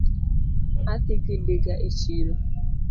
Adhi gi ndiga e chiro